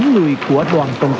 tám người của đoàn công tác